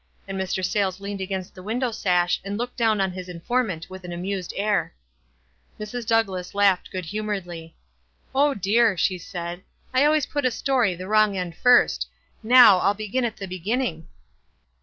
And Mr. Sayles leaned against the window sash, and looked down on his informant with an amused air. Mrs. Douglass laughed good humoredly. " Oh, dear !" she said, K I always put a story the wrong end first. Now, I'll begin at the be ginning."